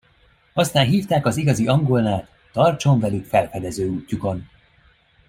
Aztán hívták az igazi angolnát, tartson velük felfedező útjukon.